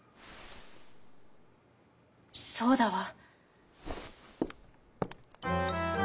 「そうだわ」。